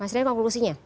maksudnya apa produksinya